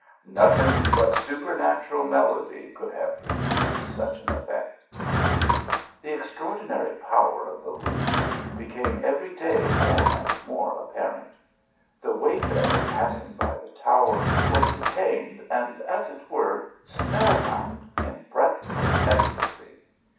Nothing but su pernatural melody could have produced such an effect. The extraordinary power of the lute became every day more and more apparent. The wayfarer pass ing by the tower was detained, and, as it were, spell bound, in breathless ecstasy.